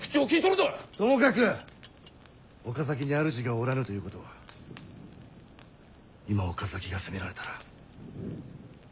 ともかく岡崎にあるじがおらぬということは今岡崎が攻められたら。